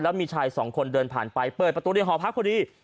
แล้วมีชายสองคนเดินผ่านไปเปิดประตูในหอพักพอดี